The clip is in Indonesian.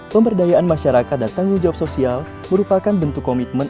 pemberdayaan masyarakat dan tanggung jawab sosial merupakan bentuk komitmen